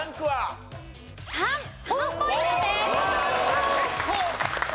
はい。